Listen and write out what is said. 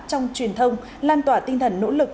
trong truyền thông lan tỏa tinh thần nỗ lực